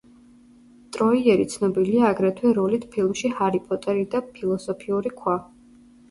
ტროიერი ცნობილია აგრეთვე როლით ფილმში: „ჰარი პოტერი და ფილოსოფიური ქვა“.